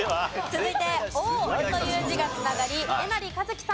続いて「王」という字が繋がりえなりかずきさん。